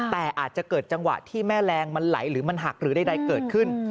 แต่อาจจะเกิดจังหวะที่แม่แรงมันไหลหรือมันหักหรือใดเกิดขึ้น